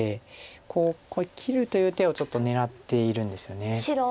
ここへ切るという手をちょっと狙っているんですよね。